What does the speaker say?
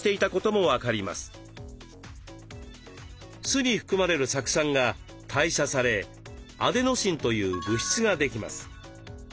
酢に含まれる酢酸が代謝されアデノシンという物質ができます。